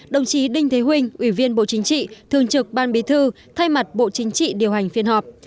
đồng chí đinh thế ủy viên bộ chính trị thường trực ban bí thư thay mặt bộ chính trị điều hành phiên họp